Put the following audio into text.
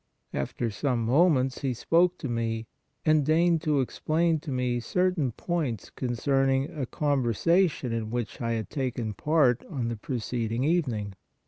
After some moments He spoke to me, and deigned to explain to me certain points con cerning a conversation in which I had taken part DO NOT DESPOND 119 on the preceding evening.